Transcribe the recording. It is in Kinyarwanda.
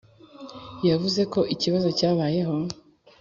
yavuze ko ikibazo cyabayeho